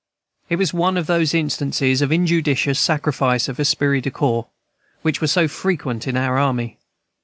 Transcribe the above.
It was one of those instances of injudicious sacrifice of esprit de corps which were so frequent in our army.